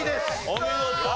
お見事！